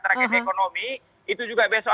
tragedi ekonomi itu juga besok